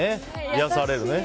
癒やされるね。